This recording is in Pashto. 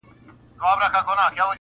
چي مو ګران افغانستان هنرستان سي,